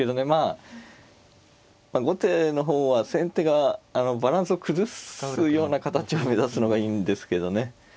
まあ後手の方は先手がバランスを崩すような形を目指すのがいいんですけどね。